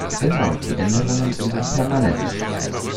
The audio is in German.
Genau, die Änderungen sind dann permanent.